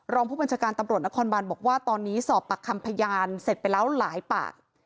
รองผู้บัญชาการตำรวจนครบานบอกว่าตอนนี้สอบปากคำพยานเสร็จไปแล้วหลายปาก